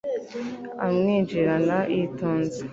amwinjirana yitonze